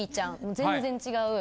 全然違う。